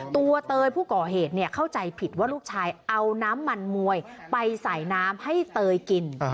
ตัวเตยผู้ก่อเหตุเข้าใจผิดว่าลูกชายเอาน้ำมันมวยไปใส่น้ำให้เตยกิน